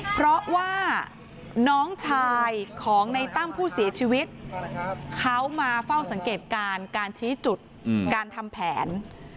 เพราะว่าน้องชายของในตั้มผู้เสียชีวิตเขามาเฝ้าสังเกตการณ์การชี้จุดการทำแผน